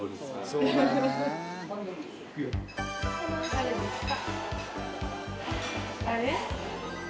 誰ですか？